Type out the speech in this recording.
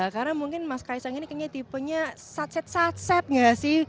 karena mungkin mas ks ang ini kayaknya tipenya satset satset gak sih